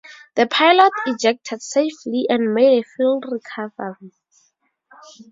The pilot ejected safely and made a full recovery.